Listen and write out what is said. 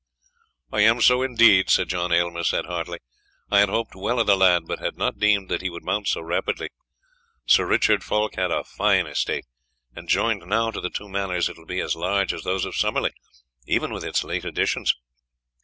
"I am so, indeed," Sir John Aylmer said heartily. "I had hoped well of the lad, but had not deemed that he would mount so rapidly. Sir Richard Fulk had a fine estate, and joined now to the two manors it will be as large as those of Summerley, even with its late additions."